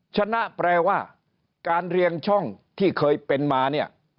ชนะแปลว่าการเรียงช่องที่เคยเป็นมาเนี่ย